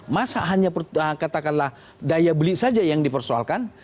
masa hanya katakanlah daya beli saja yang dipersoalkan